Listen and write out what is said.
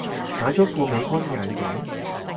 買咗副美軍眼鏡